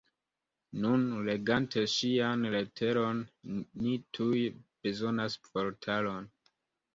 Nun, legante ŝian leteron ni tuj bezonas vortaron.